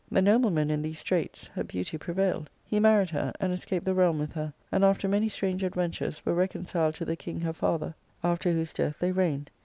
The no bleman in these straits, her beauty prevailed ; he married her, and escaped the realm with her, and after many strange adventures were reconciled to the king her father, after whose 474 ARCADIA.Sook K death they reigned.